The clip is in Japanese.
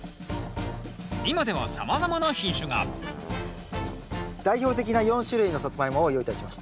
今ではさまざまな品種が代表的な４種類のサツマイモを用意いたしました。